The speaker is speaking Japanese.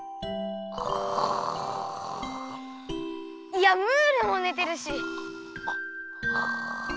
いやムールもねてるし！